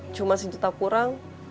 cuma sejuta kurang